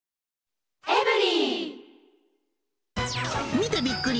見てびっくり！